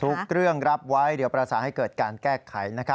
ทุกเรื่องรับไว้เดี๋ยวประสานให้เกิดการแก้ไข